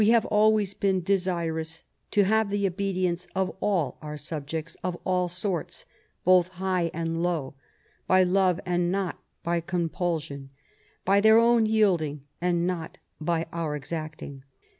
have alwa3rs been desirous to have the obedience of all our subjects of all sorts, both high and low, by love and not by compulsion, by their own yielding and not by our exacting."